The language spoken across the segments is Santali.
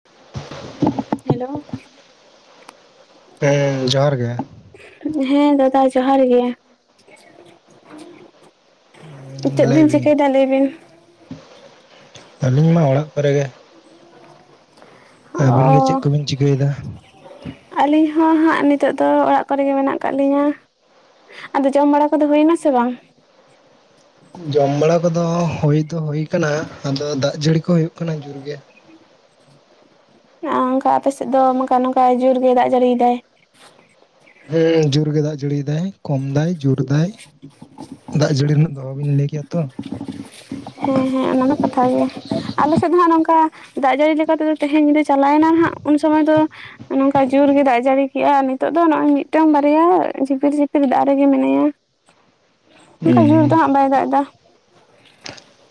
ᱴ [unintelligible] ᱦᱮᱞᱳ ᱦᱮ ᱡᱚᱦᱟᱨ ᱜᱮ ᱦᱮᱸ ᱫᱟᱫᱟ ᱡᱚᱦᱟᱨ ᱜᱮ ᱱᱤᱛᱚᱜ ᱵᱤᱱ ᱪᱤᱠᱟᱹᱭᱫᱟ ᱞᱟᱹᱭ ᱵᱤᱱ [unintelligible] ᱟᱹᱞᱤᱧ ᱢᱟ ᱚᱲᱟᱜ ᱠᱚᱨᱮ ᱜᱮ [unintelligible] ᱟᱹᱵᱤᱱ ᱜᱮ ᱪᱮᱫ ᱠᱚᱵᱤᱱ ᱪᱤᱠᱟᱹᱭᱮᱫᱟ ᱟᱹᱞᱤᱧ ᱦᱚᱸ ᱦᱟᱸᱜ ᱱᱤᱛᱚᱜ ᱫᱚ ᱚᱲᱟᱜ ᱠᱚᱨᱮ ᱜᱮ ᱢᱮᱱᱟᱜ ᱟᱠᱟᱫ ᱞᱤᱧᱟᱹ᱾ ᱟᱫᱚ ᱡᱚᱢ ᱵᱟᱲᱟ ᱠᱚᱫᱚ ᱦᱩᱭ ᱱᱟᱥᱮ ᱵᱟᱝ? ᱡᱚᱢ ᱵᱟᱲᱟ ᱠᱚᱫᱚ ᱦᱩᱭ ᱫᱚ ᱦᱩᱭ ᱠᱟᱱᱟ, ᱟᱫᱚ ᱫᱟᱜ ᱡᱟᱹᱲᱤ ᱠᱚ ᱦᱩᱭᱩᱜ ᱠᱟᱱᱟ ᱡᱩᱨᱜᱮ᱾ ᱚᱸ ᱚᱱᱠᱟ ᱟᱯᱮ ᱥᱮᱫ ᱫᱚ ᱱᱚᱝᱠᱟ-ᱱᱚᱝᱠᱟ ᱡᱳᱨ ᱜᱮ ᱫᱟᱜ ᱡᱟᱹᱲᱤ ᱫᱟᱭ? ᱦᱮᱸ ᱡᱳᱨ ᱜᱮ ᱫᱟᱜ ᱡᱟᱹᱲᱤᱭ ᱫᱟᱭ ᱠᱚᱢ ᱫᱟᱭ ᱡᱳᱨ ᱫᱟᱭ᱾ ᱫᱟᱜ ᱡᱟᱹᱲᱤ ᱨᱮᱱᱟᱜ ᱫᱚ ᱚᱦᱚ ᱵᱤᱱ ᱞᱟᱹᱭ ᱠᱮᱭᱟ ᱛᱚ᱾ ᱦᱮᱸ ᱦᱮᱸ ᱚᱱᱟ ᱫᱚ ᱠᱟᱛᱷᱟ ᱜᱮ᱾ ᱟᱞᱮ ᱥᱮᱫ ᱫᱚ ᱦᱟᱜ ᱱᱚᱝᱠᱟ ᱫᱟᱜ ᱡᱟᱹᱲᱤ ᱞᱮᱠᱟ ᱛᱮᱫᱚ ᱛᱮᱦᱮᱧ ᱧᱤᱫᱟᱹ ᱪᱟᱞᱟᱣᱮᱱᱟ ᱦᱟᱸᱜ ᱩᱱ ᱥᱚᱢᱚᱭ ᱫᱚ ᱱᱚᱝᱠᱟ ᱡᱳᱨ ᱜᱮ ᱫᱟᱜ ᱡᱟᱹᱲᱤ ᱠᱮᱜᱼᱟ ᱱᱤᱛᱚᱜ ᱫᱚ ᱱᱚᱜᱼᱚᱭ ᱢᱤᱫᱴᱟᱝ ᱵᱟᱨᱭᱟ ᱡᱷᱤᱯᱤᱨ-ᱡᱷᱤᱯᱤᱨ ᱫᱟᱜ ᱨᱮᱜᱮ ᱢᱮᱱᱟᱭᱟ᱾ ᱚᱱᱠᱟ ᱡᱳᱨ ᱫᱚ ᱦᱩᱸ ᱦᱟᱸᱜ ᱵᱟᱭ ᱫᱟᱜ ᱫᱟ᱾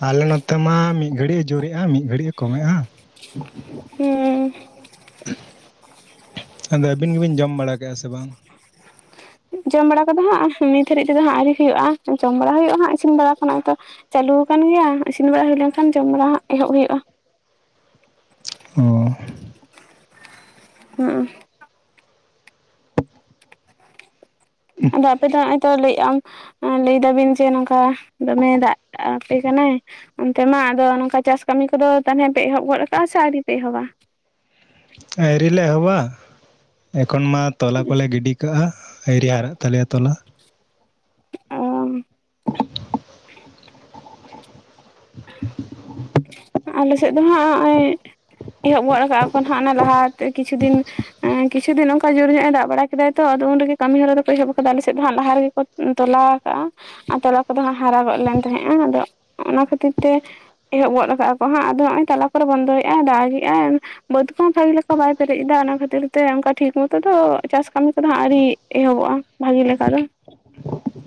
ᱟᱞᱮ ᱱᱚᱛᱮ ᱢᱟ ᱢᱤᱫ ᱜᱷᱟᱹᱲᱤᱡ ᱮ ᱡᱳᱨᱮᱫᱼᱟ ᱢᱤᱫ ᱜᱷᱟᱹᱲᱤᱡ ᱮ ᱠᱚᱢᱮᱜᱼᱟ᱾ ᱦᱩᱸ ᱟᱫᱚ ᱟᱹᱵᱤᱱ ᱜᱮᱵᱤᱱ ᱡᱚᱢ ᱵᱟᱲᱟ ᱠᱮᱜᱼᱟ ᱥᱮ ᱵᱟᱝ? ᱡᱚᱢ ᱵᱟᱲᱟ ᱠᱚᱫᱚ ᱦᱟᱸᱜ ᱱᱤᱛ ᱦᱟᱹᱨᱤᱡ ᱛᱮᱫᱚ ᱦᱟᱸᱜ ᱟᱹᱣᱨᱤ ᱦᱩᱭᱩᱜᱼᱟ, ᱡᱚᱢ ᱵᱟᱲᱟ ᱦᱩᱭᱩᱜᱼᱟ ᱦᱟᱸᱜ᱾ᱤᱥᱤᱱ ᱵᱟᱲᱟ ᱠᱷᱚᱱᱟᱜ ᱫᱚ ᱪᱟᱹᱞᱩ ᱟᱠᱟᱱ ᱜᱮᱭᱟ ᱤᱥᱤᱱ ᱵᱟᱲᱟ ᱦᱩᱭ ᱞᱮᱱᱠᱷᱟᱱ ᱡᱚᱢ ᱵᱟᱲᱟ ᱮᱦᱚᱵ ᱦᱩᱭᱩᱜᱼᱟ᱾ ᱩᱸ ᱦᱩᱸ ᱫᱟᱜ ᱛᱮᱫᱚ ᱱᱚᱜᱼᱚᱭ ᱛᱚ ᱞᱟᱹᱭᱮᱜ ᱟᱢ ᱞᱟᱹᱭ ᱫᱟᱵᱤᱱ ᱡᱮ ᱱᱚᱝᱠᱟ ᱫᱚᱢᱮ ᱫᱟᱜ ᱟᱯᱮ ᱠᱟᱱᱟᱭ᱾ ᱚᱱᱛᱮ ᱢᱟ ᱟᱫᱚ ᱱᱚᱝᱠᱟ ᱪᱟᱥ ᱠᱟᱹᱢᱤ ᱠᱚᱫᱚ ᱛᱟᱦᱚᱞᱮ ᱯᱮ ᱮᱦᱚᱵ ᱜᱚᱫ ᱠᱟᱜᱼᱟ ᱥᱮ ᱟᱹᱣᱨᱤ ᱯᱮ ᱮᱦᱚᱵᱟ? ᱟ. ᱣᱨᱤ ᱞᱮ ᱮᱦᱚᱵᱟ᱾ ᱮᱠᱷᱚᱱ ᱢᱟ ᱛᱚᱞᱟ ᱠᱚᱞᱮ ᱜᱤᱰᱤ ᱠᱟᱜᱼᱟ ᱟ. ᱣᱨᱤ ᱦᱟᱨᱟᱜ ᱛᱟᱞᱮᱭᱟ ᱛᱚᱞᱟ᱾ ᱚᱻ ᱟᱞᱮ ᱥᱮᱫ ᱫᱚ ᱦᱟᱸᱜ ᱱᱚᱜᱚᱭ ᱮᱦᱚᱵ ᱜᱚᱫ ᱟᱠᱟᱜ ᱠᱚᱣᱟ ᱠᱚ ᱚᱱᱮ ᱞᱟᱦᱟᱛᱮ ᱠᱤᱪᱷᱩ ᱫᱤᱱ ᱮᱸ ᱠᱤᱪᱷᱩ ᱫᱤᱱ ᱱᱚᱝᱠᱟ ᱡᱳᱨ ᱧᱚᱜ ᱮ ᱫᱟᱜ ᱵᱟᱲᱟ ᱠᱮᱫᱟ ᱛᱚ ᱟᱫᱚ ᱩᱱ ᱨᱮᱜᱮ ᱠᱟᱹᱢᱤ ᱦᱚᱨᱟ ᱫᱚᱠᱚ ᱮᱦᱚᱵ ᱟᱠᱟᱫᱟ ᱟᱞᱮ ᱥᱮᱫ ᱫᱚ ᱦᱟᱜ ᱞᱟᱦᱟ ᱨᱮᱜᱮ ᱠᱚ ᱛᱚᱞᱟ ᱟᱠᱟᱜᱼᱟ ᱟᱨ ᱛᱚᱞᱟ ᱠᱚᱫᱚ ᱦᱟᱜ ᱦᱟᱨᱟ ᱜᱚᱫ ᱞᱮᱱ ᱛᱟᱦᱮᱸᱼᱟ, ᱟᱫᱚ ᱚᱱᱟ ᱠᱷᱟᱹᱛᱤᱨ ᱛᱮ ᱮᱦᱚᱵ ᱜᱚᱫ ᱟᱠᱟᱫᱼᱟ ᱠᱚ ᱦᱟᱸᱜ ᱟᱫᱚ ᱱᱚᱜᱼᱚᱭ ᱛᱟᱞᱟ ᱠᱚᱨᱮ ᱵᱚᱱᱫᱚᱭᱮᱫᱼᱟᱭ ᱫᱟᱜᱮᱜᱼᱟᱭ᱾ ᱵᱟᱹᱫᱽ ᱠᱚᱦᱚᱸ ᱵᱷᱟᱜᱮ ᱞᱮᱠᱟ ᱵᱟᱭ ᱯᱮᱨᱮᱡ ᱮᱫᱟ ᱚᱱᱟ ᱠᱷᱟᱹᱛᱤᱨ ᱛᱮ ᱚᱱᱠᱟ ᱴᱷᱤᱠ ᱢᱚᱛᱚ ᱫᱚ ᱪᱟᱥ ᱠᱟᱹᱢᱤ ᱠᱚᱫᱚ ᱦᱟᱸᱜ ᱟᱹᱣᱨᱤ ᱮᱦᱚᱵᱚᱜᱼᱟ᱾ ᱵᱷᱟᱜᱤ ᱞᱮᱠᱟ ᱫᱚ᱾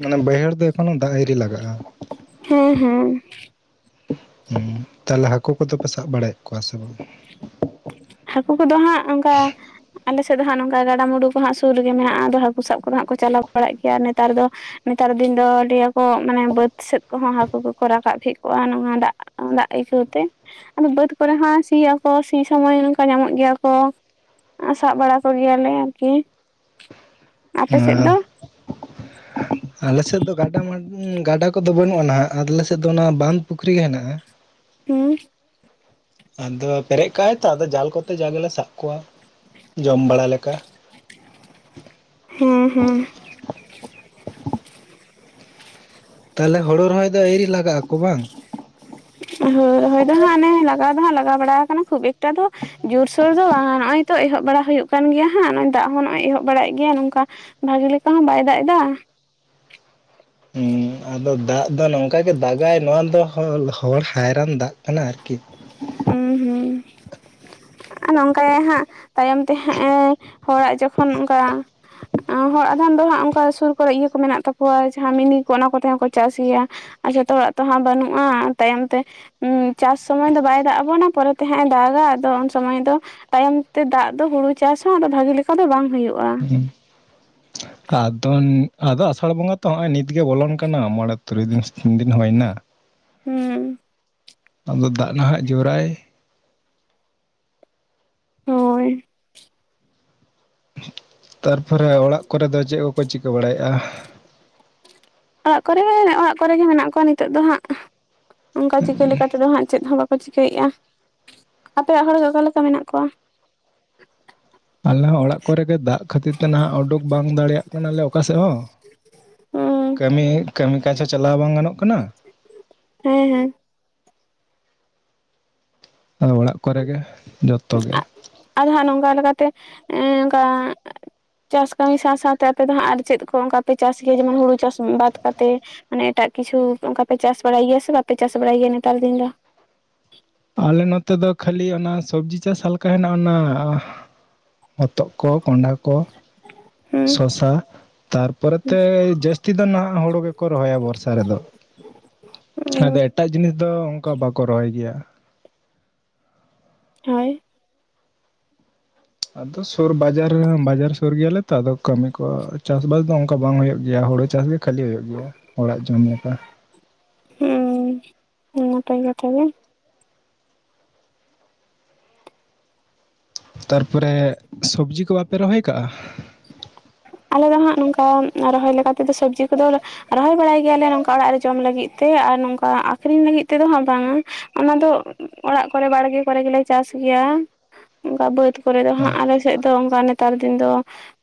ᱢᱟᱱᱮ ᱵᱟᱹᱭᱦᱟᱹᱲ ᱫᱚ ᱮᱠᱷᱚᱱᱳ ᱫᱟᱜ ᱟ. ᱭᱨᱤ ᱞᱟᱜᱟᱜᱼᱟ᱾ ᱦᱮᱸ ᱦᱮᱸ᱾ ᱦᱩᱸ ᱛᱟᱦᱞᱮ ᱦᱟᱠᱳ ᱠᱚᱫᱚ ᱯᱮ ᱥᱟᱵ ᱵᱟᱲᱟᱭᱮᱫ ᱠᱚᱣᱟ ᱥᱮ ᱵᱟᱝ? ᱦᱟᱹᱠᱩ ᱠᱚᱫᱚ ᱦᱟᱸᱜ ᱚᱱᱠᱟ ᱟᱞᱮ ᱥᱮᱫ ᱫᱚ ᱦᱟᱸᱜ ᱱᱚᱝᱠᱟ ᱜᱟᱰᱟᱼᱢᱩᱰᱩ ᱠᱚ ᱦᱟᱸᱜ ᱥᱩᱨ ᱨᱮᱜᱮ ᱢᱮᱱᱟᱜᱼᱟ ᱟᱫᱚ ᱦᱟᱹᱠᱩ ᱥᱟᱵ ᱠᱚᱫᱚ ᱦᱟᱸᱜ ᱠᱚ ᱪᱟᱞᱟᱣ ᱵᱟᱲᱟᱜ ᱜᱮᱭᱟ ᱱᱮᱛᱟᱨ ᱫᱚ᱾ ᱱᱮᱛᱟᱨ ᱫᱤᱱ ᱫᱚ ᱞᱟ. ᱭᱟ ᱠᱚ ᱢᱟᱱᱮ ᱵᱟᱹᱫ ᱥᱮᱫ ᱠᱚᱦᱚᱸ ᱦᱟᱹᱠᱩ ᱠᱚᱠᱚ ᱨᱟᱠᱟᱵ ᱠᱷᱮᱜ ᱠᱚᱣᱟ ᱱᱚᱣᱟ ᱫᱟᱜ ᱫᱟᱜ ᱟᱹᱭᱠᱟᱹᱣᱛᱮ ᱟᱫᱚ ᱵᱟᱹᱫ ᱠᱚᱨᱮ ᱦᱚᱸ ᱥᱤᱭᱟᱠᱚ ᱥᱤ ᱥᱚᱢᱚᱭ ᱱᱚᱝᱠᱟ ᱧᱟᱢᱚᱜ ᱜᱮᱭᱟ ᱠᱚ ᱥᱟᱵ ᱵᱟᱲᱟ ᱠᱚ ᱜᱮᱭᱟᱞᱮ ᱟᱨᱠᱤ ᱟᱯᱮ ᱥᱮᱫ ᱫᱚ ᱟᱨ ᱟᱞᱮ ᱥᱮᱫ ᱫᱚ ᱜᱟᱰᱟ ᱜᱟᱰᱟ ᱠᱚᱫᱚ ᱵᱟᱹᱱᱩᱜ ᱟᱱᱟ ᱟᱨ ᱟᱞᱮ ᱥᱮᱫ ᱫᱚ ᱚᱱᱟ ᱵᱟᱱ ᱯᱩᱠᱷᱤᱨᱤ ᱜᱮ ᱦᱮᱱᱟᱜᱼᱟ ᱦᱩ ᱟᱫᱚ ᱯᱮᱨᱮᱡ ᱠᱟᱜᱟᱭ ᱛᱚ ᱟᱫᱚ ᱡᱟᱞ ᱠᱚᱛᱮ ᱡᱟ ᱜᱮᱞᱮ ᱥᱟᱵ ᱠᱚᱣᱟ ᱡᱚᱢ ᱵᱟᱲᱟ ᱞᱮᱠᱟ ᱦᱮᱸ ᱦᱮᱸ ᱛᱟᱦᱚᱞᱮ ᱦᱳᱲᱳ ᱨᱚᱦᱚᱭ ᱫᱚ ᱟ. ᱭᱨᱤ ᱞᱟᱜᱟᱜ ᱟᱠᱚ ᱵᱟᱝ ᱦᱳᱭ ᱨᱚᱦᱚᱭ ᱫᱚ ᱦᱟᱸᱜ ᱚᱱᱮ ᱞᱟᱜᱟᱣ ᱫᱚ ᱦᱟᱸᱜ ᱞᱟᱜᱟᱣ ᱵᱟᱲᱟ ᱟᱠᱟᱱᱟ ᱠᱷᱩᱵ ᱮᱠᱴᱟ ᱫᱚ ᱡᱳᱨ-ᱥᱳᱨ ᱫᱚ ᱵᱟᱝ ᱱᱚᱜᱚᱭ ᱛᱚ ᱮᱦᱚᱵ ᱵᱟᱲᱟ ᱦᱩᱭᱩᱜ ᱠᱟᱱ ᱜᱮᱭᱟ ᱦᱟᱸᱜ ᱱᱚᱜᱚᱭ ᱫᱟᱜ ᱦᱚᱸ ᱱᱚᱜᱼᱚᱭ ᱮᱦᱚᱵ ᱵᱟᱲᱟᱭᱮᱫ ᱜᱮᱭᱟ ᱱᱚᱝᱠᱟ ᱵᱷᱟᱜᱮ ᱞᱮᱠᱟ ᱦᱚᱸ ᱵᱟᱭ ᱫᱟᱜ ᱫᱟ᱾ ᱦᱩᱸ ᱟᱫᱚ ᱫᱟᱜ ᱫᱚ ᱱᱚᱝᱠᱟ ᱜᱮ ᱫᱟᱜᱟᱭ ᱱᱚᱣᱟ ᱫᱚ ᱦᱚᱞ ᱦᱚᱨ ᱦᱟᱭᱨᱟᱱ ᱫᱟᱜ ᱠᱟᱱᱟ ᱟᱨᱠᱤ᱾ ᱦᱩᱸ ᱦᱩᱸ᱾ ᱱᱚᱝᱠᱟᱭ ᱦᱟᱸᱜ ᱛᱟᱭᱚᱢ ᱛᱮ ᱦᱟᱸᱜᱼ ᱦᱚᱲᱟᱜ ᱡᱚᱠᱷᱚᱱ ᱚᱱᱠᱟ ᱦᱚᱲ ᱟᱫᱷᱢ ᱫᱚ ᱦᱟᱸᱜ ᱚᱱᱠᱟ ᱥᱩᱨ ᱠᱚᱨᱮ ᱤᱭᱟᱹ ᱠᱚ ᱢᱮᱱᱟᱜ ᱛᱟᱠᱚᱣᱟ ᱡᱟᱦᱟᱸ ᱢᱤᱱᱤ ᱠᱚ ᱚᱱᱟ ᱠᱚᱛᱮ ᱦᱚᱠᱚ ᱪᱟᱥ ᱜᱮᱭᱟ ᱟᱨ ᱡᱚᱛᱚ ᱚᱲᱟᱜ ᱛᱚᱦᱟᱸᱜ ᱵᱟᱹᱱᱩᱜᱼᱟ ᱛᱟᱭᱚᱢ ᱛᱮ ᱪᱟᱥ ᱥᱚᱢᱚᱭ ᱫᱚ ᱵᱟᱭ ᱫᱟᱜ ᱟᱵᱚᱱᱟ ᱯᱚᱨᱮᱛᱮ ᱦᱟᱸᱜ ᱫᱟᱜᱼᱟ ᱟᱫᱚ ᱥᱚᱢᱚᱭ ᱫᱚ ᱛᱟᱭᱚᱢ ᱛᱮ ᱫᱟᱜ ᱫᱚ ᱦᱩᱲᱩ ᱪᱟᱥ ᱦᱚᱸ ᱵᱷᱟᱜᱤ ᱞᱮᱠᱟ ᱫᱚ ᱵᱟᱝ ᱦᱳᱭᱳᱜᱼᱟ [unintelligible] [inaudible] ᱟᱫᱚ, ᱟᱫᱚ ᱟᱥᱟᱲ ᱵᱚᱸᱜᱟ ᱛᱚ ᱦᱚᱜᱼᱚᱭ ᱱᱤᱛ ᱜᱮ ᱵᱚᱞᱚᱱ ᱠᱟᱱᱟ ᱢᱚᱬᱮ ᱛᱩᱨᱩᱭ ᱫᱤᱱ, ᱫᱤᱱ ᱦᱩᱭᱱᱟ᱾ ᱦᱩᱸ ᱟᱫᱚ ᱫᱟᱜ ᱱᱟᱦᱟᱜ ᱡᱳᱨᱟᱭ᱾ ᱦᱳᱭ ᱛᱟᱨᱯᱚᱨᱮ ᱚᱲᱟᱜ ᱠᱚᱨᱮ ᱫᱚ ᱪᱮᱫ ᱠᱚᱠᱚ ᱪᱤᱠᱟᱹ ᱵᱟᱲᱟᱭᱮᱫᱼᱟ? ᱚᱲᱟᱜ ᱠᱚᱨᱮ ᱚᱲᱟᱜ ᱠᱚᱨᱮ ᱜᱮ ᱢᱮᱱᱟᱜ ᱠᱚᱣᱟ, ᱱᱤᱛᱚᱜ ᱫᱚ ᱦᱟᱸᱜ ᱚᱱᱠᱟ ᱪᱤᱠᱟᱹ ᱞᱮᱠᱟ ᱛᱮᱫᱚ ᱦᱟᱜ ᱪᱮᱫ ᱦᱚᱸ ᱵᱟᱝ᱾ ᱠᱚ ᱪᱤᱠᱟᱹᱭᱮᱫᱼᱟ, ᱟᱯᱮᱭᱟᱜ ᱦᱚᱲ ᱜᱮ ᱚᱠᱟᱞᱮᱠᱟ ᱢᱮᱱᱟᱜ ᱠᱚᱣᱟ? ᱟᱞᱮ ᱦᱚᱸ ᱚᱲᱟᱜ ᱠᱚᱨᱮ ᱜᱮ ᱫᱟᱜ ᱠᱷᱟᱹᱛᱤᱨ ᱛᱮ ᱱᱟᱦᱟᱜ ᱚᱰᱩᱠ ᱵᱟᱝ ᱫᱟᱲᱮᱭᱟᱜ ᱠᱟᱱᱟ ᱞᱮ ᱚᱠᱟ ᱥᱮᱫ ᱦᱚᱸ ᱦᱩᱸ ᱠᱟᱹᱢᱤ ᱠᱟᱹᱢᱤ ᱠᱟᱡᱽ ᱦᱚᱸ ᱪᱟᱞᱟᱣ ᱵᱟᱝ ᱜᱟᱱᱚᱜ ᱠᱟᱱᱟ᱾ ᱦᱮᱸ ᱦᱮᱸ [unintelligible] ᱚᱲᱟᱜ ᱠᱚ ᱨᱮᱜᱮ ᱡᱚᱛᱚ ᱜᱮ᱾ ᱟᱫᱚ ᱦᱟᱜ ᱱᱚᱝᱠᱟ ᱞᱮᱠᱟᱛᱮ, ᱮ ᱱᱚᱝᱠᱟ ᱪᱟᱥ ᱠᱟᱹᱢᱤ ᱥᱟᱶ ᱥᱟᱶ ᱛᱮ ᱟᱯᱮ ᱫᱚ ᱦᱟᱸᱜ ᱟᱨ ᱪᱮᱫ ᱠᱚ ᱚᱱᱠᱟ ᱯᱮ ᱪᱟᱥ ᱜᱮᱭᱟ ᱡᱮᱢᱚᱱ ᱦᱩᱲᱩ ᱪᱟᱥ ᱵᱟᱫ ᱠᱟᱛᱮ᱾ ᱢᱟᱱᱮ ᱮᱴᱟᱜ ᱠᱤᱪᱷᱩ ᱚᱱᱠᱟ ᱯᱮ ᱪᱟᱥ ᱵᱟᱲᱟᱭ ᱜᱮᱭᱟ ᱥᱮ ᱵᱟᱯᱮ ᱪᱟᱥ ᱵᱟᱲᱟᱭ ᱜᱮᱭᱟ ᱱᱮᱛᱟᱨ ᱫᱤᱱ ᱫᱚ? ᱟᱞᱮ ᱱᱚᱛᱮ ᱫᱚ ᱠᱷᱟᱹᱞᱤ ᱚᱱᱟ ᱥᱚᱵᱡᱤ ᱪᱟᱥ ᱦᱟᱞᱠᱟ ᱦᱮᱱᱟᱜᱼᱟ, ᱚᱱᱟ ᱦᱚᱛᱚᱜ, ᱠᱚ ᱠᱚᱸᱰᱷᱟ, ᱠᱚ ᱦᱩᱸ ᱥᱚᱥᱟ ᱛᱟᱨ ᱯᱚᱨᱮ ᱛᱮ, ᱡᱟᱹᱥᱛᱤ ᱫᱚ ᱱᱟᱦᱟᱜ ᱦᱩᱲᱩ ᱜᱮ ᱠᱚ ᱨᱚᱦᱚᱭᱟ ᱵᱚᱨᱥᱟ ᱨᱮ ᱫᱚ᱾ ᱦᱩᱸ ᱟᱫᱚ ᱮᱴᱟᱜ ᱡᱤᱱᱤᱥ ᱫᱚ ᱚᱱᱠᱟ ᱵᱟᱠᱚ ᱨᱚᱦᱚᱭ ᱜᱮᱭᱟ᱾ ᱦᱳᱭ, ᱟᱫᱚ ᱥᱩᱨ ᱵᱟᱡᱟᱨ ᱨᱮ ᱦᱚᱸ ᱵᱟᱡᱟᱨ ᱥᱩᱨ ᱜᱮᱭᱟ ᱞᱮ ᱛᱚ ᱟᱫᱚ ᱠᱟᱹᱢᱤ ᱠᱚ ᱪᱟᱥ ᱵᱟᱥ ᱫᱚ ᱚᱱᱠᱟ ᱵᱟᱝ ᱦᱩᱭᱩᱜ ᱜᱮᱭᱟ᱾ ᱦᱩᱲᱩ ᱪᱟᱥ ᱜᱮ ᱠᱷᱟᱹᱞᱤ ᱦᱩᱭᱩᱜ ᱜᱮᱭᱟ ᱚᱲᱟᱜ ᱡᱚᱢ ᱞᱮᱠᱟ᱾ ᱦᱩᱸ ᱱᱟᱯᱟᱭ ᱠᱟᱛᱷᱟ ᱜᱮ᱾ ᱛᱟᱨ ᱯᱚᱨᱮ ᱥᱚᱵᱽᱡᱤ ᱠᱚ ᱵᱟᱯᱮ ᱨᱚᱦᱚᱭ ᱠᱟᱜᱼᱟ᱾ ᱟᱞᱮ ᱫᱚ ᱦᱟᱸᱜ ᱱᱚᱝᱠᱟ ᱨᱚᱦᱚᱭ ᱞᱮᱠᱟ ᱛᱮ ᱫᱚ ᱥᱚᱵᱽᱡᱤ ᱠᱚ ᱫᱚ ᱨᱚᱦᱚᱭ ᱵᱟᱲᱟᱭ ᱜᱮᱭᱟ ᱞᱮ ᱱᱚᱝ ᱠᱟ ᱚᱲᱟᱜ ᱨᱮ ᱡᱚᱢ ᱞᱟᱹᱜᱤᱫ ᱛᱮ ᱟᱨ ᱱᱚᱝ ᱠᱟ ᱟᱠᱷᱨᱤᱧ ᱞᱟᱹᱜᱤᱫ ᱛᱮ ᱫᱚ ᱦᱟᱸᱜ ᱵᱟᱝᱟ᱾ ᱚᱱᱟ ᱫᱚ ᱚᱲᱟᱜ ᱠᱚᱨᱮ ᱵᱟᱲᱜᱮ ᱠᱚᱨᱮ ᱜᱮᱞᱮ ᱪᱟᱥ ᱜᱮᱭᱟ᱾ ᱚᱱᱠᱟ ᱵᱟᱹᱫᱽ ᱠᱚᱨᱮ ᱫᱚ ᱦᱟᱸᱜ ᱟᱞᱮ ᱥᱮᱫ ᱫᱚ ᱚᱱᱠᱟ ᱱᱮᱛᱟᱨ ᱫᱤᱱ ᱫᱚ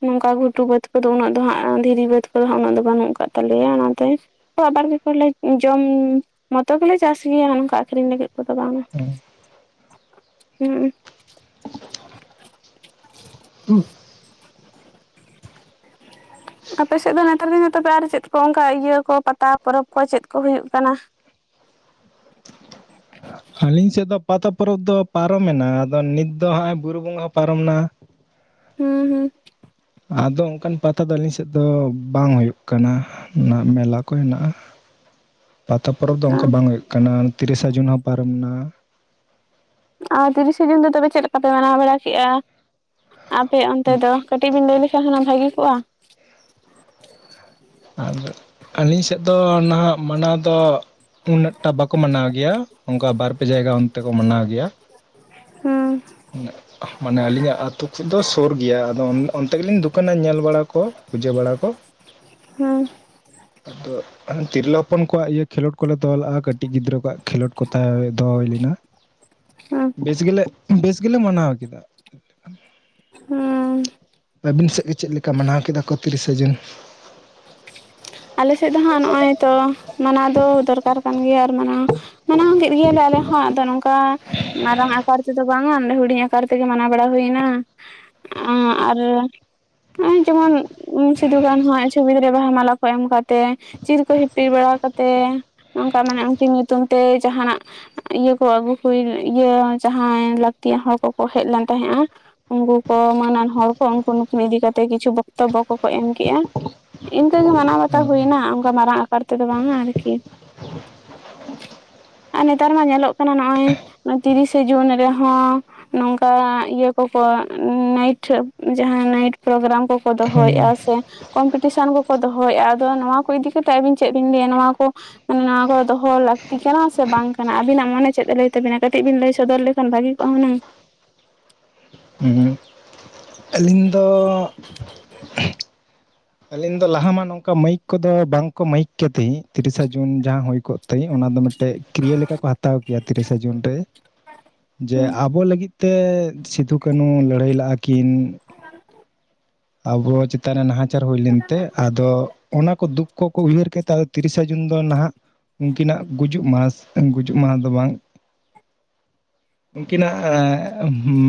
ᱱᱚᱝ ᱠᱟ ᱜᱷᱩᱴᱩ ᱵᱟᱹᱫᱽ ᱠᱚ ᱫᱚ ᱩᱱᱟᱹᱜ ᱫᱚ ᱦᱟᱸᱜ ᱫᱷᱤᱨᱤ ᱵᱟᱹᱫᱽ ᱠᱚ ᱫᱚᱜ ᱩᱱᱟᱹᱜ ᱫᱚ ᱵᱟᱹᱱᱩᱜ ᱠᱟᱜ ᱛᱟᱞᱮ ᱭᱟ ᱚᱱᱟ ᱛᱮ ᱟᱵᱟᱨ ᱵᱮᱯᱚᱨ ᱞᱮ ᱡᱚᱢ ᱢᱚᱛᱚ ᱜᱮᱞᱮ ᱪᱟᱥ ᱜᱮᱭᱟ ᱱᱚᱝ ᱠᱟ ᱟᱠᱷᱨᱤᱧ ᱞᱟᱹᱜᱤᱫ ᱠᱚ ᱫᱚ ᱵᱟᱝ-ᱟ᱾ [unintelligible] ᱦᱩᱸ [inaudible] ᱟᱯᱮ ᱥᱮᱫ ᱫᱚ ᱱᱮᱛᱟᱨ ᱫᱤᱱ ᱫᱚ ᱛᱚᱵᱮ ᱟᱨ ᱪᱮᱫ ᱠᱚ ᱚᱱᱠᱟ ᱤᱭᱟᱹ ᱠᱚ ᱯᱟᱛᱟ ᱯᱚᱨᱚᱵᱽ ᱠᱚ ᱪᱮᱫ ᱠᱚ ᱦᱩᱭᱩᱜ ᱠᱟᱱᱟ᱾ ᱟᱹᱞᱤᱧ ᱥᱮᱫ ᱫᱚ ᱯᱟᱛᱟ ᱯᱚᱨᱚᱵᱽ ᱫᱚ ᱯᱟᱨᱚᱢᱮᱱᱟ ᱟᱫᱚ ᱱᱤᱛ ᱫᱚ ᱦᱜᱼᱚᱭ ᱵᱩᱨᱩ ᱵᱚᱸᱜᱟ ᱦᱚᱸ ᱯᱟᱨᱚᱢᱮᱱᱟ ᱦᱩᱸ ᱦᱩᱸ ᱟᱫᱚ ᱚᱱ ᱠᱟᱱ ᱯᱟᱛᱟ ᱫᱚ ᱟᱹᱞᱤᱧ ᱥᱮᱫ ᱫᱚ ᱵᱟᱝ ᱦᱳᱭᱳᱜ ᱠᱟᱱᱟ ᱚᱱᱟ ᱢᱮᱞᱟ ᱠᱚ ᱦᱮᱱᱟᱜᱼᱟ᱾ [unintelligible] ᱯᱟᱛᱟ ᱯᱚᱨᱚᱵᱽ ᱫᱚ ᱚᱱᱠᱟ ᱦᱩᱸ ᱵᱟᱝ ᱦᱩᱭᱩᱜ ᱠᱟᱱᱟ ᱛᱤᱨᱤ ᱥᱟ ᱡᱩᱱ ᱦᱚᱸ ᱯᱟᱨᱚᱢ ᱮᱱᱟ᱾ ᱟᱨ ᱛᱤᱨᱤ ᱥᱮ ᱡᱩᱱ ᱫᱚ ᱛᱚᱵᱮ ᱪᱮᱫ ᱞᱮᱠᱟ ᱯᱮ ᱢᱟᱱᱟᱣ ᱵᱟᱲᱟ ᱠᱮᱫᱮᱜᱼᱟ, ᱟᱯᱮ ᱚᱱᱛᱮ ᱫᱚ ᱠᱟᱹᱴᱤᱡ ᱵᱤᱱ ᱞᱟᱹᱭ ᱞᱮᱠᱷᱟᱱ ᱦᱩᱱᱟᱝ ᱵᱷᱟᱹᱜᱤ ᱠᱚᱜᱼᱟ᱾ ᱟᱨ ᱟᱹᱞᱤᱧ ᱥᱮᱫ ᱫᱚ ᱱᱟᱦᱟᱜ ᱢᱟᱱᱟᱣ ᱫᱚ ᱩᱱᱟᱹᱜ ᱴᱟ ᱵᱟᱠᱚ ᱢᱟᱱᱟᱣ ᱜᱮᱭᱟ, ᱚᱱᱠᱟ ᱵᱟᱨ ᱯᱮ ᱡᱟᱭ ᱜᱟ ᱚᱱᱛᱮ ᱠᱚ ᱢᱟᱱᱟᱣ ᱜᱮᱭᱟ᱾ ᱦᱩᱸ ᱢᱟᱱᱮ ᱟᱹᱞᱤᱧᱟᱜ ᱟ ᱟᱹᱛᱩ ᱠᱚ ᱫᱚ ᱥᱩᱨ ᱜᱮᱭᱟ ᱟᱫᱚ ᱚᱱᱛᱮ ᱜᱮᱞᱤᱧ ᱫᱠᱟᱱᱟ ᱧᱮᱞ ᱵᱟᱲᱟ ᱠᱚ ᱯᱩᱡᱟᱹ ᱵᱟᱲᱟ ᱠᱚ ᱦᱮᱸ ᱟᱫᱚ ᱛᱤᱨᱞᱟᱹ ᱦᱚᱯᱚᱱ ᱠᱚᱣᱟᱜ ᱤᱭᱟᱹ ᱠᱷᱮᱞᱳᱰ ᱠᱚᱞᱮ ᱫᱚᱦᱚᱞᱟᱜᱼᱟ ᱠᱟᱹᱴᱤᱡ ᱜᱤᱫᱽᱨᱟᱹ ᱠᱚᱣᱟᱜ ᱠᱷᱮᱞᱳᱰ ᱠᱚ ᱛᱟᱦᱮᱸ ᱫᱚᱦ ᱦᱩᱭ ᱞᱮᱱᱟ [inaudible] ᱵᱮᱥ ᱜᱮᱞᱮ ᱵᱮᱥ ᱜᱮᱞᱮ ᱢᱟᱱᱟᱣ ᱠᱮᱫᱟ ᱦᱩᱸ ᱟᱹᱵᱤᱱ ᱥᱮᱫ ᱜᱮ ᱪᱮᱫ ᱞᱮᱠᱟ ᱢᱟᱱᱟᱣ ᱠᱮᱫᱟ ᱠᱚ ᱛᱤᱨᱤᱥᱟ ᱡᱩᱱ ᱟᱞᱮᱥᱮᱫ ᱫᱚ ᱦᱟᱸᱜ ᱱᱚᱜᱼᱚᱭ ᱛᱚ ᱢᱟᱱᱟᱣ ᱫᱚ ᱫᱚᱨᱠᱟᱨ ᱠᱟᱱ ᱜᱮᱭᱟ ᱟᱨ ᱢᱟᱱᱟᱣ ᱢᱟᱱᱟᱣ ᱤᱭᱟᱹ ᱞᱮ ᱟᱞᱮ ᱦᱚᱸ ᱟᱫᱚ ᱱᱚᱝᱠᱟ ᱢᱟᱨᱟᱝ ᱟᱠᱟᱨ ᱛᱮᱫᱚ ᱵᱟᱝᱼᱟ ᱚᱰᱮ ᱦᱩᱰᱤᱧ ᱟᱠᱟᱨ ᱛᱮᱜᱮ ᱢᱟᱱᱟᱣ ᱵᱟᱲᱟ ᱦᱩᱭᱱᱟ ᱟᱨ ᱡᱮᱢᱚᱱ ᱥᱤᱫᱩᱠᱱᱩᱣᱟᱜ ᱪᱷᱚᱵᱤ ᱨᱮ ᱵᱟᱦᱟ ᱢᱟᱞᱟ ᱠᱚ ᱮᱢ ᱠᱟᱛᱮ ᱪᱤᱨ ᱠᱚ ᱦᱤᱯᱤᱤᱨ ᱵᱟᱲᱟ ᱠᱟᱛᱮᱮᱫ ᱱᱚᱚᱱᱠᱟ ᱢᱟᱱᱮ ᱩᱱᱠᱤᱱ ᱧᱩᱛᱩᱢ ᱛᱮ ᱡᱟᱦᱟᱱᱟᱜ ᱤᱭᱟᱹ ᱠᱚ ᱟᱹᱜᱩ ᱠᱚ ᱤᱭᱟᱹ ᱡᱟᱦᱟᱸᱭ ᱞᱟᱹᱠᱛᱤᱭᱟᱱ ᱦᱚᱲ ᱠᱚᱠᱚ ᱦᱮᱡ ᱞᱮᱱ ᱛᱟᱦᱮᱸᱫᱼᱟ ᱩᱱᱠᱩ ᱠᱚ ᱮᱢᱟᱱᱟᱱ ᱦᱚᱲ ᱠᱚ ᱩᱱᱠᱩ ᱱᱩᱠᱩ ᱤᱫᱤ ᱠᱟᱛᱮ ᱠᱤᱪᱷᱩ ᱵᱚᱠᱛᱚᱵᱚ ᱠᱚᱠᱚ ᱮᱢ ᱠᱮᱜᱼᱟ ᱤᱱᱠᱟᱹᱜᱮ ᱢᱟᱱᱟᱣ ᱵᱟᱛᱟᱣ ᱦᱩᱭᱱᱟ ᱚᱱᱠᱟ ᱢᱟᱨᱟᱝ ᱟᱠᱟᱨ ᱛᱮᱫᱚ ᱵᱟᱝᱼᱟ ᱟᱨᱠᱤ ᱟᱨ ᱱᱮᱛᱟᱨ ᱢᱟ ᱧᱮᱞᱚᱜ ᱠᱟᱱᱟ ᱱᱚᱜᱼᱚᱭ ᱛᱤᱨᱤᱥᱮ ᱡᱩᱱ ᱨᱮᱦᱚᱸ ᱱᱚᱝᱠᱟ ᱤᱭᱟᱹ ᱠᱚᱠᱚ ᱱᱟᱭᱤᱴ ᱡᱟᱦᱟᱸ ᱱᱟᱭᱤᱴ ᱯᱨᱳᱜᱨᱟᱢ ᱠᱚᱠᱚ ᱦᱩᱸ ᱫᱚᱦᱚᱭᱮᱫᱼᱟ ᱥᱮ ᱠᱚᱢᱯᱤᱴᱤᱥᱮᱱ ᱠᱚᱠᱚ ᱫᱚᱦᱚᱭᱮᱫᱼᱟ ᱟᱫᱚ ᱱᱚᱣᱟ ᱠᱚ ᱤᱫᱤ ᱠᱟᱛᱮᱫ ᱟᱹᱵᱤᱱ ᱪᱮᱫ ᱵᱤᱱ ᱞᱟᱹᱭᱟ ᱱᱚᱣᱟ ᱠᱚ ᱢᱟᱱᱮ ᱱᱚᱣᱟ ᱠᱚ ᱫᱚᱦᱚ ᱞᱟᱹᱠᱛᱤ ᱠᱟᱱᱟ ᱥᱮ ᱵᱟᱝ ᱠᱟᱱᱟ ᱟᱵᱤᱱᱟᱜ ᱢᱚᱱᱮ ᱪᱮᱫ ᱮ ᱞᱟᱹᱭ ᱛᱟᱹᱵᱤᱱᱟ ᱠᱟᱹᱴᱤᱡ ᱵᱤᱱ ᱞᱟᱹᱭ ᱥᱚᱫᱚᱨ ᱞᱮᱠᱷᱟᱱ ᱵᱷᱟᱜᱤ ᱚᱱᱟ ᱦ ᱟᱹᱞᱤᱧ ᱫᱚ ᱟᱹᱞᱤᱧ ᱫᱚ ᱞᱟᱦᱟᱟᱱ ᱱᱚᱝᱠᱟ ᱢᱟᱹᱭᱤᱠ ᱠᱚᱫᱚ ᱵᱟᱝᱠᱚ ᱢᱟᱹᱭᱤᱠ ᱠᱛᱤ ᱛᱤᱨᱤᱥᱟ ᱡᱩᱱ ᱡᱟᱦᱟᱸ ᱦᱩᱭ ᱠᱚᱜ ᱛ ᱚᱱᱟ ᱫᱚ ᱢᱤᱫᱴᱟᱝ ᱢᱤᱫᱴᱮᱡ ᱠᱨᱤᱭᱟ ᱞᱮᱠᱟ ᱠᱚ ᱦᱟᱛᱟᱣ ᱠᱮᱭᱟ ᱛᱤᱨᱤᱥᱟ ᱡᱩᱱ ᱨᱮ ᱡᱮ ᱟᱵᱚ ᱞᱟᱹᱜᱤᱫ ᱛᱮ ᱥᱤᱫᱩ ᱠᱟᱹᱱᱦᱩ ᱞᱟᱹᱲᱦᱟᱹᱭ ᱞᱟᱜᱼᱟ ᱠᱤᱱ ᱟᱵᱚ ᱪᱮᱛᱟᱱ ᱨᱮ ᱱᱟᱦᱟᱪᱟᱨ ᱦᱩᱭ ᱞᱮᱱᱛᱮ ᱟᱫᱚ ᱚᱱᱟ ᱠᱚ ᱫᱩᱠ ᱠᱚᱠᱚ ᱩᱭᱦᱟᱹᱨ ᱠᱮᱫᱛᱮ ᱟᱫᱚ ᱛᱤᱨᱤᱥᱟ ᱡᱩᱱ ᱫᱚ ᱱᱟᱦᱟᱜ ᱩᱱᱠᱤᱱᱟᱜ ᱜᱩᱡᱩᱜ ᱢᱟᱦᱟᱥ ᱜᱩᱡᱩᱜ ᱢᱟᱦᱟ ᱫᱚ ᱵᱟᱝ ᱩᱱᱠᱤᱱᱟᱜ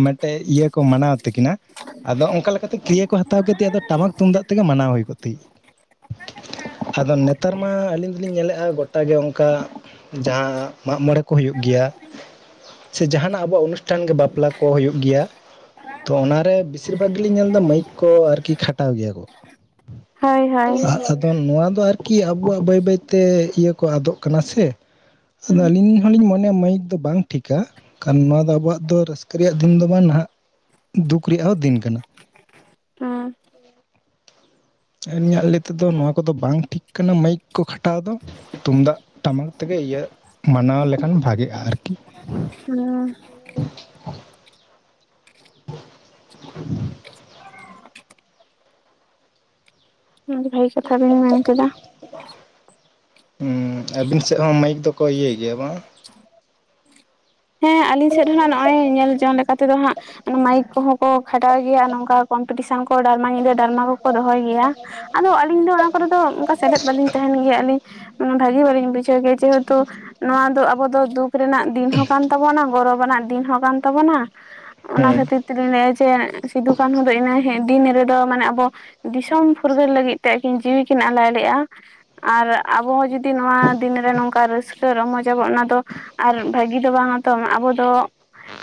ᱢᱤᱫᱴᱮᱡ ᱤᱭᱟᱹ ᱠᱚ ᱢᱟᱱᱟᱣ ᱛᱟᱹᱠᱤᱱᱟ ᱟᱫᱚ ᱚᱱᱠᱟ ᱞᱮ ᱠᱚ ᱦᱟᱛᱟᱣ ᱠᱮᱫ ᱛᱮ ᱟᱫᱚ ᱴᱟᱢᱟᱠ ᱛᱩᱢᱫᱟᱜ ᱛᱮᱜᱮ ᱢᱟᱱᱟᱣ ᱦᱩᱭ ᱠᱚᱜ ᱛᱤ ᱦᱟᱫᱚ ᱱᱮᱛᱟᱨ ᱢᱟ ᱟᱹᱞᱤᱧ ᱫᱚᱞᱤᱧ ᱧᱮᱞᱮᱫᱼᱟ ᱜᱚᱴᱟᱜ ᱜᱮ ᱚᱱᱠᱟ ᱡᱟᱸ ᱢᱟᱜ ᱢᱚᱬᱮ ᱠᱚ ᱦᱩᱭᱩᱜ ᱜᱮᱭᱟ ᱾ ᱥᱮ ᱡᱟᱦᱟᱱᱟᱜ ᱟᱵᱚᱣᱟᱜ ᱚᱱᱩᱥᱴᱟᱱ ᱜᱮ ᱵᱟᱯᱞᱟ ᱠᱚ ᱦᱩᱭᱩᱜ ᱜᱮᱭᱟ ᱾ ᱛᱚ ᱚᱱᱟ ᱨᱮ ᱵᱮᱥᱤᱨ ᱵᱷᱟᱜᱽ ᱜᱮᱞᱤᱧ ᱧᱮᱞᱫᱟ ᱢᱟᱹᱭᱤᱠ ᱠᱚ ᱟᱨᱠᱤ ᱠᱷᱟᱴᱟᱣ ᱜᱮᱭᱟ ᱦᱳᱭ ᱦᱳᱭ ᱟ-ᱟᱫᱚ ᱱᱚᱣᱟ ᱫᱚ ᱟᱨ ᱠᱤ ᱟᱵᱚᱣᱟᱜ ᱵᱟᱹᱭ ᱵᱟᱹᱭᱛᱮ ᱤᱭᱟᱹ ᱠᱚ ᱟᱫᱚᱜ ᱠᱟᱱᱟ ᱥᱮ ᱾ ᱟᱫᱚ ᱟᱹᱞᱤᱧ ᱦᱚᱸᱞᱤᱧ ᱢᱚᱱᱮᱭᱟ ᱢᱟᱹᱭᱤᱠ ᱫᱚ ᱵᱟᱝ ᱴᱷᱤᱠᱟ ᱠᱟᱱᱚᱣᱟ ᱫᱚ ᱟᱵᱚᱣᱟᱜ ᱫᱚ ᱨᱟᱹᱥᱠᱟᱹ ᱨᱮᱭᱟᱜ ᱫᱤᱱ ᱫᱚ ᱵᱟᱝ ᱱᱟᱦᱟᱜ ᱫᱩᱠ ᱨᱮᱭᱟᱜ ᱦᱚᱸ ᱫᱤᱱ ᱠᱟᱱᱟ ᱦᱮᱸ [inaudible] ᱟ. ᱞᱤᱧᱟᱜ ᱞᱟᱹᱭ ᱛᱮᱫᱚ ᱱᱚᱣᱟ ᱠᱚᱫᱚ ᱵᱟᱝ ᱴᱷᱤᱠ ᱠᱟᱱᱟ ᱢᱟᱹᱭᱤᱠ ᱠᱚ ᱠᱷᱟᱴᱟᱣ ᱫᱚ, ᱛᱩᱢᱫᱟᱜ ᱴᱟᱢᱟᱠ ᱛᱮᱜᱮ ᱤᱭᱟᱹ ᱢᱟᱱᱟᱣ ᱞᱮᱠᱷᱟᱱ ᱵᱷᱟᱜᱤᱮᱜᱼᱟ ᱟᱨᱠᱤ ᱦ [unintelligible] [unintelligible] ᱢᱚᱡᱽ ᱵᱷᱟᱹᱜᱮ ᱠᱟᱛᱷᱟ ᱵᱮᱤᱱ ᱢᱮᱱ ᱠᱮᱫᱟ ᱦᱩᱸ ᱟᱹᱵᱤᱱ ᱥᱮᱫ ᱦᱚᱸ ᱢᱟᱹᱭᱤᱠ ᱫᱚᱠᱚ ᱤᱭᱟᱹᱭ ᱜᱮᱭᱟ ᱵᱟᱝ? ᱦᱮᱸ, ᱟᱞᱤᱧ ᱥᱮᱫ ᱢᱮᱱᱟᱜ ᱟᱱᱟ ᱱᱚᱭ ᱧᱮᱞ ᱡᱚᱝ ᱞᱮᱠᱟ ᱛᱮᱫᱚ ᱦᱟᱸᱜ ᱢᱟᱭᱤᱠ ᱠᱚᱦᱚᱸ ᱠᱚ ᱠᱷᱟᱴᱟᱣ ᱜᱮᱭᱟ ᱱᱚᱝᱠᱟ ᱠᱚᱢᱯᱤᱴᱤᱥᱮᱱ ᱠᱚ ᱰᱟᱨᱢᱟ ᱧᱤᱫᱟᱹ ᱴᱟᱢᱟᱱᱟ ᱠᱚᱠᱚ ᱫᱚᱦᱚᱭ ᱜᱮᱭᱟ ᱟᱫᱚ ᱟᱹᱞᱤᱧ ᱫᱚ ᱚᱱᱟ ᱠᱚᱨᱮ ᱫᱚ ᱚᱱᱠᱟ ᱥᱮᱞᱮᱫ ᱵᱟᱹᱞᱤᱧ ᱛᱟᱦᱮᱱ ᱜᱮᱭᱟ ᱟᱹᱞᱤᱧ ᱵᱷᱟᱜᱮ ᱵᱟᱞᱤᱧ ᱵᱩᱡᱷᱟᱹᱣ ᱠᱮ ᱡᱮᱦᱮᱛᱩ ᱱᱚᱣᱟ ᱫᱚ ᱟᱵᱚ ᱫᱚ ᱫᱩᱠ ᱨᱮᱱᱟᱜ ᱫᱤᱱ ᱦᱚᱸ ᱠᱟᱱ ᱛᱟᱵᱚᱱᱟ ᱾ ᱜᱚᱨᱚᱵᱽ ᱟᱱᱟᱜ ᱫᱤᱱ ᱦᱚᱸ ᱠᱟᱱ ᱛᱟᱵᱚᱱᱟ ᱚᱱᱟ ᱦᱮᱸ ᱠᱷᱟᱹᱛᱤ ᱛᱤ ᱵᱤᱱ ᱞᱟᱹᱭ ᱟ ᱡᱮ ᱥᱤᱫᱩ ᱠᱟᱹᱱᱩ ᱫᱚ ᱤᱱᱟᱹ ᱦᱤ ᱫᱤᱱ ᱨᱮᱫᱚ ᱢᱟᱱᱮ ᱟᱵᱚ ᱫᱤᱥᱚᱢ ᱯᱷᱩᱨᱜᱟᱹᱞ ᱞᱟᱹᱜᱤᱫ ᱛᱮ ᱟᱹᱠᱤᱱ ᱡᱤᱣᱤ ᱠᱤᱱ ᱟᱞᱟᱭ ᱞᱮᱜᱼᱟ ᱾ ᱟᱨ ᱟᱵᱚ ᱚ ᱡᱩᱫᱤ ᱱᱚᱣᱟ ᱫᱤᱱ ᱨᱮ ᱱᱚᱝᱠᱟ ᱨᱟᱹᱥᱠᱟᱹ ᱨᱚᱢᱚᱡ ᱟᱵᱚ ᱚᱱᱟ ᱫᱚ ᱟᱨ ᱵᱷᱟᱹᱜ ᱜᱤ ᱫᱚ ᱵᱟᱝᱼᱟ ᱛᱚ ᱟᱵᱚ ᱫᱚ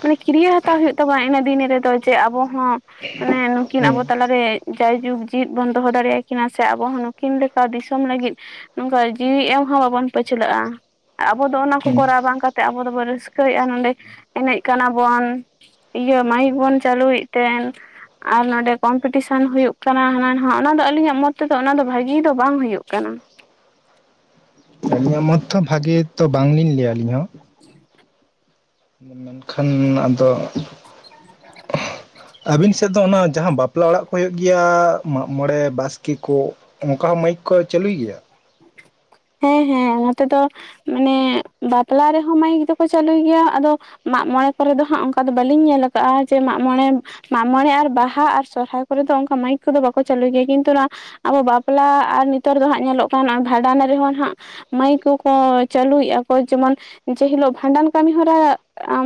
ᱢᱟᱱᱮ ᱠᱤᱨᱤᱭᱟᱹ ᱦᱟᱛᱟᱣ ᱦᱩᱭᱩᱜ ᱛᱟᱵᱚᱣᱟ ᱤᱱᱟᱹ ᱫᱤᱱ ᱨᱮᱫᱚ ᱡᱮ ᱟᱵᱚ ᱦᱚᱸ ᱩᱢ ᱩᱱᱠᱤᱱ ᱦᱮᱸ ᱟᱵᱚ ᱛᱟᱞᱟᱨᱮ ᱡᱟᱭᱡᱩᱜᱽ ᱡᱤᱭᱤᱫ ᱵᱚᱱ ᱫᱚᱦᱚ ᱫᱟᱲᱮᱭᱟᱠᱤᱱᱟ ᱥᱮ ᱟᱵᱚ ᱦᱚᱸ ᱟᱹᱠᱤᱱ ᱞᱮᱠᱟ ᱫᱤᱥᱚᱢ ᱞᱟᱹᱜᱤᱫ ᱚᱝᱠᱟ ᱡᱤᱣᱤ ᱮᱢ ᱦᱚᱸ ᱵᱟᱵᱚᱱ ᱯᱟᱹᱪᱷᱞᱟᱹᱜᱼᱟ ᱾ ᱟᱵᱚ ᱫᱚ ᱚᱱᱟ ᱠᱚ ᱦᱮᱸ ᱠᱚᱨᱟᱣ ᱵᱟᱝ ᱠᱟᱛᱮᱜ ᱟᱵᱚ ᱫᱚᱵᱚ ᱨᱟᱹᱥᱠᱟᱹᱭᱮᱼᱟ ᱱᱚᱰᱮ ᱮᱱᱮᱡ ᱠᱟᱱᱟ ᱵᱚᱱ ᱾ ᱤᱭᱟᱹ ᱢᱟᱭᱤᱠ ᱵᱚᱱ ᱪᱟᱹᱞᱩᱭᱮᱫ ᱛᱮᱱ ᱟᱨ ᱱᱚᱰᱮ ᱠᱚᱢᱯᱤᱴᱤᱥᱚᱱ ᱦᱩᱭᱩᱜ ᱠᱟᱱᱟ ᱦᱟᱱᱟ ᱱᱚᱣᱟ ᱚᱱᱟ ᱫᱚ ᱟᱹᱞᱤᱧᱟᱜ ᱢᱚᱛ ᱛᱮᱫᱚ ᱚᱱᱟ ᱫᱚ ᱵᱷᱟᱹᱜᱤ ᱫᱚ ᱵᱟᱝ ᱦᱩᱭᱩᱜ ᱠᱟᱱᱟ ᱾ ᱟᱹᱞᱤᱧᱟᱜ ᱢᱚᱛᱷ ᱦᱚ ᱵᱷᱟᱜᱤ ᱛᱚ ᱵᱟᱝ ᱞᱤᱧ ᱞᱟᱹᱭᱟ ᱟᱹᱞᱤᱧ ᱦᱚᱸ ᱾ [inaudible] [inaudible] ᱠᱷᱟᱱ ᱟᱫᱚ [inaudible] ᱟᱹᱵᱤᱱ ᱥᱮᱫ ᱫᱚ ᱚᱱᱟ ᱡᱟᱦᱟ ᱵᱟᱯᱞᱟ ᱚᱲᱟᱜ ᱠᱚ ᱦᱩᱭᱩᱜ ᱜᱮᱭᱟ ᱢᱟᱜᱽ ᱢᱚᱬᱮ ᱵᱟᱥᱠᱤ ᱠᱚ ᱾ ᱚᱱᱠᱟ ᱦᱚᱸ ᱢᱟᱭᱤᱠ ᱠᱚ ᱪᱟᱹᱞᱩᱭ ᱜᱮᱭᱟ? ᱦᱮᱸ ᱦᱮᱸ ᱱᱚᱛᱮ ᱫᱚ ᱢᱟᱱᱮ ᱵᱟᱯᱞᱟ ᱨᱮᱦᱚᱸ ᱢᱟᱭᱤᱠ ᱫᱚᱠᱚ ᱪᱟᱹᱞᱩᱭ ᱜᱮᱭᱟ ᱟᱫᱚ ᱢᱟᱜᱽ ᱢᱚᱬᱮ ᱠᱚᱨᱮ ᱫᱚ ᱦᱟᱸᱜ ᱚᱱᱠᱟ ᱫᱚ ᱵᱟᱹᱞᱤᱧ ᱧᱮᱞ ᱟᱠᱟᱜᱼᱟ ᱡᱮ ᱢᱟᱜᱽ ᱢᱚᱬᱮ ᱢᱟᱜᱽ ᱢᱚᱬᱮ ᱟᱨ ᱵᱟᱦᱟ ᱟᱨ ᱥᱚᱨᱦᱟᱭ ᱠᱚᱨᱮ ᱫᱚ ᱚᱱᱠᱟ ᱢᱟᱹᱭᱤᱠ ᱠᱚᱫᱚ ᱵᱟᱠᱚ ᱪᱟᱹᱞᱩᱭ ᱜᱮᱭᱟ ᱠᱤᱱᱛᱩ ᱱᱚᱣᱟ ᱟᱵᱚ ᱵᱟᱯᱞᱟ ᱟᱨ ᱱᱤᱛᱟᱨ ᱫᱚ ᱦᱟᱸᱜ ᱧᱮᱞᱚᱜ ᱠᱟᱱᱟ ᱵᱷᱟᱰᱟᱱ ᱨᱮᱦᱚᱸ ᱦᱟᱸᱜ ᱢᱟᱹᱭᱤᱠ ᱠᱚᱠᱚ ᱪᱟᱹᱞᱩᱭᱮᱜᱼᱟ ᱠᱚ ᱡᱮᱢᱚᱱ ᱡᱮ ᱦᱤᱞᱳᱜ ᱵᱷᱟᱸᱰᱟᱱ ᱠᱟᱹᱢᱤ ᱦᱚᱨᱟ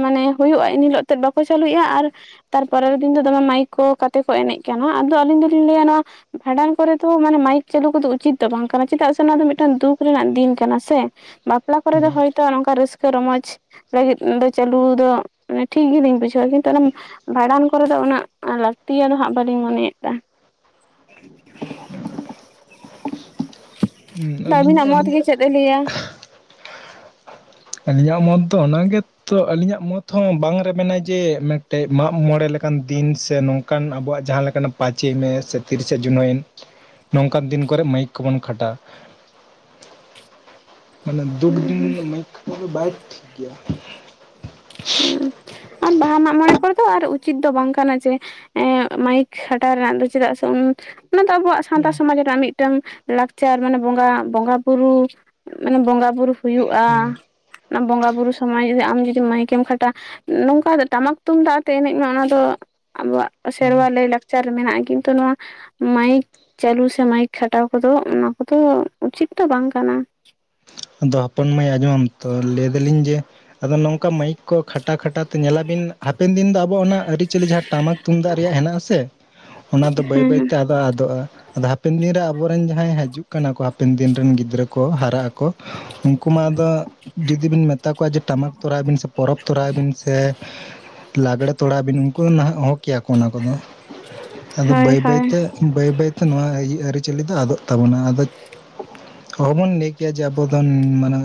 ᱢᱟᱱᱮ ᱦᱩᱭᱩᱜᱼᱟ, ᱮᱱ ᱦᱤᱞᱳᱜ ᱛᱮᱫ ᱵᱟᱠᱚ ᱪᱟᱹᱞᱩᱭᱮᱜᱼᱟ ᱟᱨ ᱛᱟᱨ ᱯᱚᱨᱮᱨ ᱫᱤᱱ ᱫᱚ ᱫᱚᱢᱮ ᱢᱟᱭᱤᱠ ᱠᱚ ᱠᱟᱛᱮ ᱠᱚ ᱮᱱᱮᱡ ᱠᱟᱱᱟ, ᱟᱫᱚ ᱟᱹᱞᱤᱧ ᱫᱚᱞᱤᱧ ᱞᱟᱹᱭᱟ ᱱᱚᱣᱟ ᱵᱷᱟᱸᱰᱟᱱ ᱠᱚᱨᱮ ᱫᱚ ᱢᱟᱱᱮ ᱢᱟᱭᱤᱠ ᱪᱟᱹᱞᱩ ᱠᱚᱫᱚ ᱩᱪᱤᱛ ᱫᱚ ᱵᱟᱝ ᱠᱟᱱᱟ, ᱪᱮᱫᱟᱜ ᱥᱮ ᱚᱱᱟ ᱫᱚ ᱢᱤᱫ ᱴᱟᱝ ᱫᱩᱠ ᱨᱮᱱᱟᱜ ᱫᱤᱱ ᱠᱟᱱᱟ ᱥᱮ ᱵᱟᱯᱞᱟ ᱠᱚᱨᱮ ᱫᱚ ᱦᱚᱭᱛᱳ ᱱᱚᱝᱠᱟ ᱨᱟᱹᱥᱠᱟᱹ ᱨᱚᱢᱚᱡ ᱞᱟᱹᱜᱤᱫ ᱫᱚ ᱪᱟᱹᱞᱩ ᱫᱚ ᱴᱷᱤᱠ ᱜᱮᱞᱤᱧ ᱵᱩᱡᱷᱟᱹᱣᱟ, ᱠᱤᱱᱛᱩ ᱚᱱᱟ ᱵᱷᱟᱸᱰᱟᱱ ᱠᱚᱨᱮ ᱫᱚ ᱩᱱᱟᱹᱜ ᱞᱟᱹᱠᱛᱤᱭᱟ ᱫᱚ ᱦᱟᱸᱜ ᱵᱟᱹᱞᱤᱧ ᱢᱚᱱᱮᱭᱟᱜ ᱠᱟᱱᱟ ᱾ [inaudible] ᱦᱩᱸ ᱟᱫᱚ ᱟᱹᱞᱤᱧ ᱵᱟᱹᱵᱤᱱᱟᱜ ᱢᱚᱛ ᱟᱹᱞᱤᱧ ᱜᱮ ᱪᱮᱫ ᱮ ᱞᱟᱹᱭᱟ? ᱟᱹᱞᱤᱧᱟᱜ ᱢᱚᱛ ᱫᱚ ᱚᱱᱟ ᱜᱮ ᱛᱚ ᱟᱹᱞᱤᱧᱟᱜ ᱢᱚᱛ ᱦᱚᱸ ᱵᱟᱝ ᱨᱮ ᱢᱮᱱᱟᱭ ᱡᱮ ᱢᱮᱫᱴᱮᱡ ᱢᱟᱜᱽ ᱢᱚᱬᱮ ᱞᱮᱠᱟᱱ ᱫᱤᱱ ᱥᱮ ᱱᱚᱝᱠᱟ ᱚᱱᱠᱟᱱ ᱟᱵᱚᱣᱟᱜ ᱡᱟᱦᱟ ᱞᱮᱠᱟᱱᱟᱜ ᱯᱟᱸᱪᱮᱭ ᱢᱮ ᱥᱮ ᱛᱤᱨᱤᱥᱮ ᱡᱩᱱ ᱦᱩᱭ ᱮᱱ, ᱱᱚᱝᱠᱟᱱ ᱫᱤᱱ ᱠᱚᱨᱮᱜ ᱢᱟᱹᱭᱤᱠ ᱠᱚᱵᱚᱱ ᱠᱷᱟᱴᱟᱜ, ᱢᱟᱱᱮ ᱫᱩᱠ ᱫᱤᱱ ᱢᱟᱹᱭᱤᱠ ᱫᱚ ᱵᱟᱭ ᱴᱷᱤᱠ ᱜᱮᱭᱟ, ᱦᱮᱸ ᱟᱨ ᱵᱟᱦᱟ ᱢᱟᱜᱽ ᱢᱚᱬᱮ ᱠᱚᱨᱮ ᱫᱚ ᱟᱨ ᱩᱪᱤᱛ ᱫᱚ ᱵᱟᱝ ᱠᱟᱱᱟ, ᱡᱮ ᱦᱮᱸ ᱢᱟᱭᱤᱠ ᱠᱷᱟᱴᱟᱣ ᱨᱮᱱᱟᱜ ᱫᱚ ᱪᱮᱫᱟᱜ ᱥᱮ [unintelligible] ᱚᱱᱟ ᱫᱚ ᱟᱵᱚᱣᱟᱜ ᱥᱟᱶᱛᱟ ᱦᱩᱸ ᱥᱚᱢᱟᱡᱽ ᱨᱮᱱᱟᱜ ᱢᱤᱫ ᱢᱤᱫ ᱴᱟᱝ ᱞᱟᱠᱪᱟᱨ ᱢᱟᱱᱮ ᱵᱚᱸᱜᱟ ᱵᱚᱸᱜᱟ ᱵᱩᱨᱩ ᱢᱟᱱᱮ ᱵᱚᱸᱜᱟ ᱵᱩᱨᱩ ᱦᱩᱭᱩᱜᱼᱟ, ᱦᱩᱸ ᱵᱚᱸᱜᱟ-ᱵᱩᱨᱩ ᱥᱚᱢᱚᱭ ᱡᱩᱫᱤ ᱟᱢ ᱡᱩᱫᱤ ᱢᱟᱹᱭᱤᱠ ᱠᱤᱢ ᱠᱷᱟᱴᱟ ᱱᱚᱝᱠᱟ ᱴᱟᱢᱟᱠ ᱛᱩᱢᱫᱟᱜ ᱟᱛᱮ ᱮᱱᱮᱡ ᱢᱮ ᱚᱱᱟ ᱫᱚ ᱟᱵᱩᱣᱟᱜ ᱥᱮᱨᱣᱟ ᱞᱟᱹᱭ ᱞᱟᱠ ᱪᱟᱨ ᱨᱮ ᱢᱮᱱᱟᱜᱼᱟ ᱠᱤᱱᱛᱩ ᱱᱚᱣᱟ ᱢᱟᱭᱤᱠ ᱪᱟᱹᱞᱩ ᱥᱮ ᱢᱟᱭᱤᱠ ᱠᱷᱟᱴᱟᱣ ᱠᱚᱫᱚ ᱚᱱᱟ ᱠᱚᱫᱚ ᱩᱪᱤᱛ ᱛᱚ ᱵᱟᱝ ᱠᱟᱱᱟ ᱾ ᱟᱫᱚ ᱦᱚᱯᱚᱱ ᱢᱟᱹᱭ ᱟᱸᱡᱚᱢ ᱟᱢ ᱛᱚ ᱞᱟᱹᱭ ᱫᱟᱞᱤᱧ ᱡᱮ ᱟᱫᱚ ᱱᱚᱝᱠᱟ ᱢᱟᱹᱭᱤᱠ ᱠᱚ ᱠᱷᱟᱴᱟ ᱠᱷᱟᱴᱟ ᱛᱮ ᱧᱮᱞᱟ ᱵᱤᱱ ᱦᱟᱯᱮᱱ ᱫᱤᱱ ᱫᱚ ᱟᱵᱚ ᱚᱱᱟ ᱟᱹᱨᱤᱼᱪᱟᱹᱞᱤ ᱡᱟᱦᱟ ᱴᱟᱢᱟᱠ ᱛᱩᱢᱫᱟᱜ ᱨᱮᱭᱟᱜ ᱦᱮᱱᱟᱜᱼᱟ ᱥᱮ ᱚᱱᱟ ᱫᱚ ᱵᱟᱹᱭ ᱦᱮᱸ ᱦᱮᱸ ᱵᱟᱹᱭᱛᱮ ᱟᱫᱚ ᱟᱫᱚᱜᱼᱟ, ᱟᱫᱚ ᱦᱟᱯᱮᱱ ᱫᱤᱱᱨᱮ ᱟᱵᱚ ᱨᱮᱱ ᱡᱟᱦᱟᱸᱭ ᱦᱟᱡᱩᱜ ᱠᱟᱱᱟ ᱠᱚ ᱦᱟᱯᱮᱱ ᱫᱤᱱ ᱨᱮᱱ ᱜᱤᱫᱽᱨᱟᱹ ᱠᱚ ᱦᱟᱨᱟᱜ ᱟᱠᱚ ᱩᱱᱠᱩ ᱢᱟ ᱟᱫᱚ ᱡᱩᱫᱤ ᱵᱤᱱ ᱢᱮᱛᱟ ᱠᱚᱣᱟ ᱡᱮ ᱴᱟᱢᱟᱠ ᱛᱚᱨᱟᱭ ᱵᱤᱱ ᱥᱮ ᱯᱚᱨᱚᱵᱽ ᱛᱚᱨᱟᱭ ᱵᱤᱱ ᱥᱮ ᱞᱟᱜᱽᱲᱮ ᱛᱚᱲᱟᱣ ᱵᱤᱱ ᱩᱱᱠᱩ ᱱᱟᱦᱟᱜ ᱚᱦᱚ ᱠᱮᱭᱟᱠᱚ ᱚᱱᱟ ᱠᱚᱫᱚ, ᱟᱫᱚ ᱦᱳᱭ ᱵᱟᱹᱭ ᱵᱟᱹᱭ ᱦᱳᱭ ᱛᱮ ᱵᱟᱹᱭ ᱵᱟᱹᱭ ᱛᱮ ᱱᱚᱶᱟ ᱟᱹᱨᱤ ᱪᱟᱹᱞᱤ ᱫᱚ ᱟᱫᱚᱜ ᱛᱟᱵᱚᱱᱟ, ᱟᱫᱚ ᱚᱦᱚᱵᱚᱱ [unintelligible] [unintelligible] ᱟᱵᱚᱫᱚᱱ ᱢᱟᱱᱮ